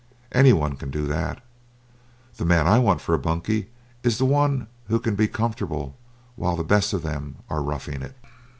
Any one can do that. The man I want for a "bunkie" is the one who can be comfortable while the best of them are roughing it.